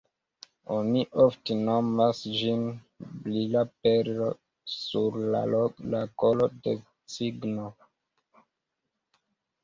Oni ofte nomas ĝin “brila perlo sur la kolo de cigno”.